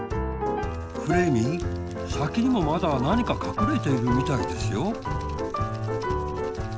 フレーミーさきにもまだなにかかくれているみたいですよ。